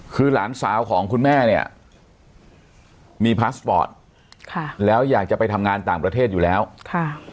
คือหลานสาวของคุณแม่เนี่ยมีพาสปอร์ตค่ะแล้วอยากจะไปทำงานต่างประเทศอยู่แล้วค่ะ